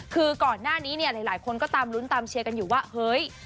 คือก่อนหน้านี้เนี่ยหลายคนก็ตามลุ้นตามเชียร์กันอยู่ว่าเฮ้ย